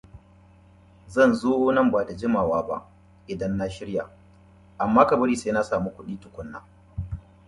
The publisher apologized and promised that "he will be careful in every way".